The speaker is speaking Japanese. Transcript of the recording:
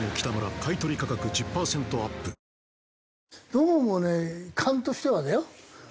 どうもね勘としてはだよ？